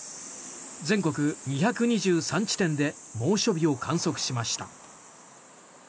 全国２２３地点で猛暑日を観測しました。